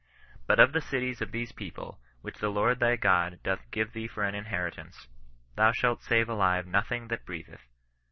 But of the cities of these people, which the Lord thy God doth give thee for an inheritance, thou shalt save alive nothing that Inreatheth.